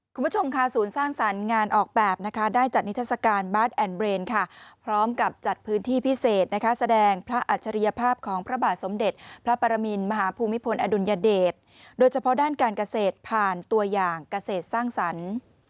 คุณผู้ชมค่ะศูนย์สร้างสรรค์งานออกแบบนะคะได้จัดนิทัศกาลบาร์ดแอนดเรนด์ค่ะพร้อมกับจัดพื้นที่พิเศษนะคะแสดงพระอัจฉริยภาพของพระบาทสมเด็จพระปรมินมหาภูมิพลอดุลยเดชโดยเฉพาะด้านการเกษตรผ่านตัวอย่างเกษตรสร้างสรรค์